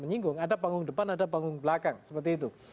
menyinggung ada panggung depan ada panggung belakang seperti itu